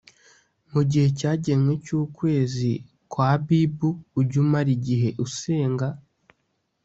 mu gihe cyagenwe cy’ukwezi kwa abibu ujye umara igihe usenga